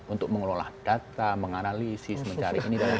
untuk mengelola data menganalisis mencari ini dan sebagainya